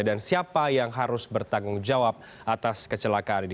dan siapa yang harus bertanggung jawab atas kecelakaan ini